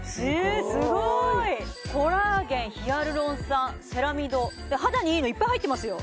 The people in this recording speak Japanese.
すごいコラーゲンヒアルロン酸セラミドって肌にいいのいっぱい入ってますよ